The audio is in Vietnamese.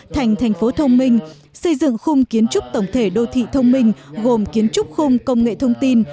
thành thành phố thông minh xây dựng khung kiến trúc tổng thể đô thị thông minh gồm kiến trúc khung công nghệ thông tin